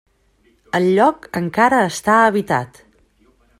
El lloc encara està habitat.